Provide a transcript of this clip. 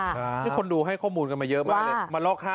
ซิว่านี่คนดูให้ข้อมูลกันมาเยอะมากเลย